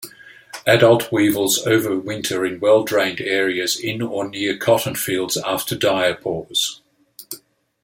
Adult weevils overwinter in well-drained areas in or near cotton fields after diapause.